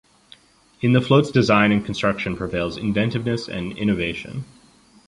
In the float’s design and construction prevails inventiveness and innovation.